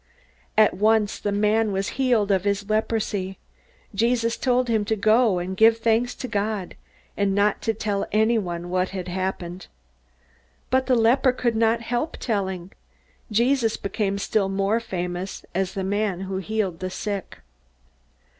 At once the man was healed of his leprosy. Jesus told him to go and give thanks to God, and not to tell anyone what had happened. But the leper could not help telling. Jesus became still more famous as the man who healed the sick.